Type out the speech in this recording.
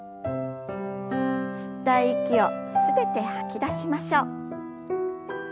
吸った息を全て吐き出しましょう。